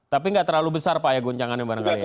tapi nggak terlalu besar pak ya goncangannya barangkali ya